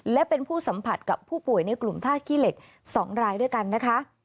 และเป็นผู้สัมผัสกับผู้ป่วยในกลุ่มท่าขี้เหล็ก๒รายด้วยกันนะคะ